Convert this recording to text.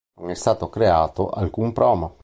Non è stato creato alcun promo.